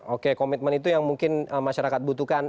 oke komitmen itu yang mungkin masyarakat butuhkan